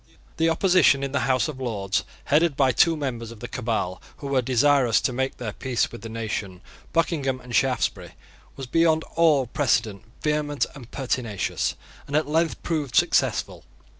The opposition in the House of Lords, headed by two members of the Cabal who were desirous to make their peace with the nation, Buckingham and Shaftesbury, was beyond all precedent vehement and pertinacious, and at length proved successful.